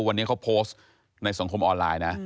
วันนี้เขาโพสต์ในสังคมออนไลน์นะ